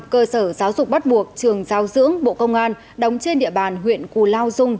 cơ sở giáo dục bắt buộc trường giáo dưỡng bộ công an đóng trên địa bàn huyện cù lao dung